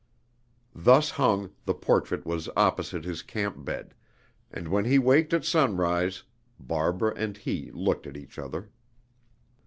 Thus hung, the portrait was opposite his camp bed; and when he waked at sunrise, Barbara and he looked at each other.